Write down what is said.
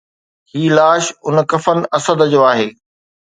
هي لاش اڻ کفن اسد جو آهي